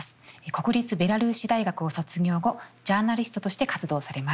国立ベラルーシ大学を卒業後ジャーナリストとして活動されます。